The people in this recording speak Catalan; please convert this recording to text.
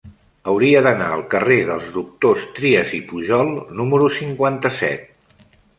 Hauria d'anar al carrer dels Doctors Trias i Pujol número cinquanta-set.